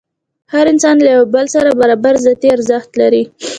هر انسان له بل سره برابر ذاتي ارزښت لري.